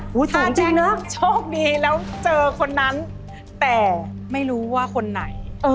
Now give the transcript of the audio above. สูงจริงเนอะถ้าจริงโชคดีแล้วเจอคนนั้นแต่ไม่รู้ว่าคนไหน